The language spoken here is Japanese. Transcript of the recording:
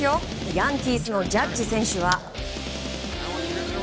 ヤンキースのジャッジ選手。